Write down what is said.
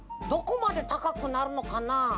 どこまでたかくなるのかな？